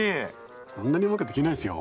こんなにうまくできないですよ。